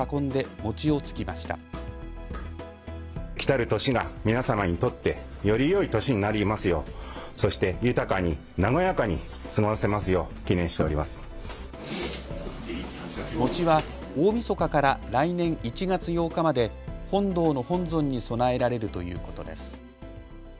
餅は大みそかから来年１月８日まで本堂の本尊に供えられるということです。